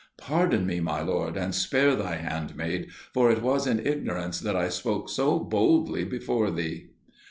Pardon me, my lord, and spare thy handmaid, for it was in ignorance that I spoke so boldly before thee!"